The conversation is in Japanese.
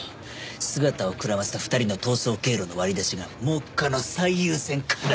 姿をくらませた２人の逃走経路の割り出しが目下の最優先課題だ。